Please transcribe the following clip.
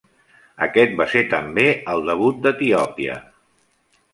Aquest va ser també el debut d"Etiòpia.